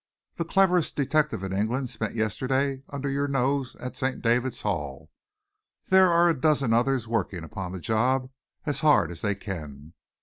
The cleverest detective in England spent yesterday under your nose at St. David's Hall. There are a dozen others working upon the job as hard as they can.